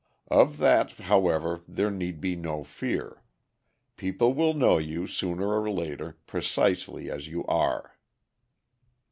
Of that, however, there need be no fear. People will know you, sooner or later, precisely as you are."